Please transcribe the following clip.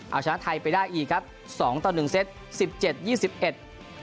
เอาชนะไทยไปได้อีกครับ๒ต่อ๑เซต๑๗๒๑